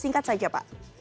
singkat saja pak